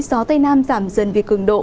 gió tây nam giảm dần vì cường độ